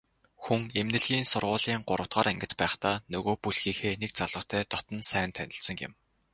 Хүн эмнэлгийн сургуулийн гуравдугаар ангид байхдаа нөгөө бүлгийнхээ нэг залуутай дотно сайн танилцсан юм.